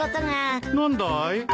何だい？